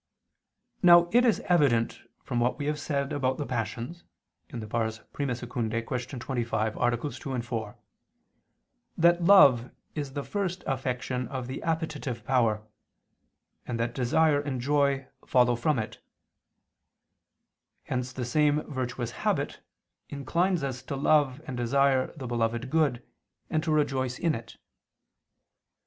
Now it is evident from what we have said about the passions (I II, Q. 25, AA. 2, 4) that love is the first affection of the appetitive power, and that desire and joy follow from it. Hence the same virtuous habit inclines us to love and desire the beloved good, and to rejoice in it.